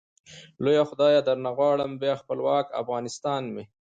لويه خدايه درنه غواړم ، بيا خپلوک افغانستان مي